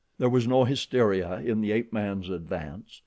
There was no hysteria in the ape man's advance.